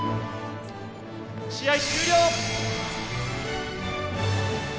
試合終了！